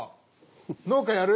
農家やる？